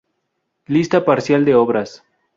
Lista parcial de obras